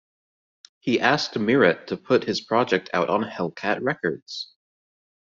He asked Miret to put his project out on Hellcat Records.